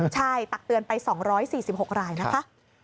ใช่ตักเตือนไป๒๔๖รายนะคะ